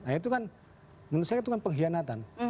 nah itu kan menurut saya itu kan pengkhianatan